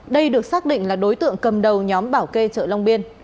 đây được xác định là đối tượng cầm đầu nhóm bảo kê chợ long biên